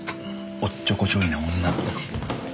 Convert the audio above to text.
おっちょこちょいな女。